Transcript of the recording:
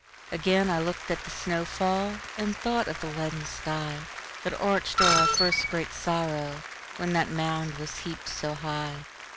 Again I looked at the snow fall, And thought of the leaden skyThat arched o'er our first great sorrow, When that mound was heaped so high.